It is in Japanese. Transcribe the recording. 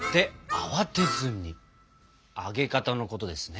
揚げ方のことですね？